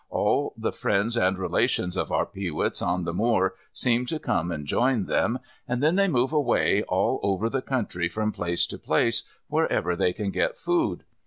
All the friends and relations of our peewits on the moor seem to come and join them, and then they move away all over the country from place to place, wherever they can get food.